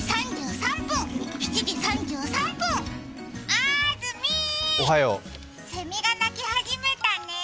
あーずみー、せみが鳴き始めたね。